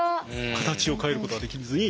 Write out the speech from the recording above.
形を変えることはできずに。